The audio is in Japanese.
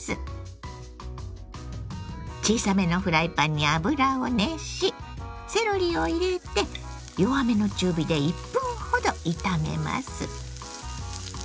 小さめのフライパンに油を熱しセロリを入れて弱めの中火で１分ほど炒めます。